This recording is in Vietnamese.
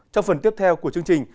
trong phần tiếp theo của chương trình